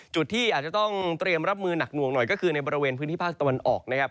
จุดที่อาจจะต้องเตรียมรับมือหนักหน่วงหน่อยก็คือในบริเวณพื้นที่ภาคตะวันออกนะครับ